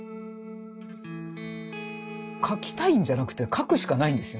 描きたいんじゃなくて描くしかないんですよ。